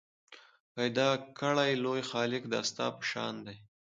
پیدا کړی لوی خالق دا ستا په شان دی